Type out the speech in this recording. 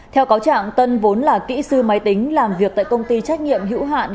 theo cáo trạng tân vốn là kỹ sư máy tính làm việc tại công ty trách nhiệm hữu hạn